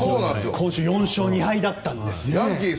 今週４勝２敗だったんです。